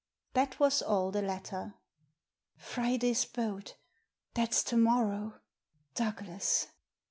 That was all the letter. Friday's boat ? That* s to morrow. Douglas